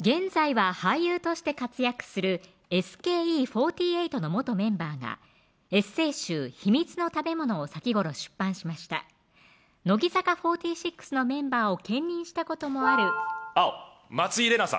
現在は俳優として活躍するＳＫＥ４８の元メンバーがエッセー集ひみつのたべものを先頃出乃木坂４６のメンバーを兼任したこともある青松井玲奈さん